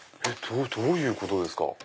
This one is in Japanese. どういうことですか？